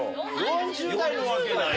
４０代のわけない。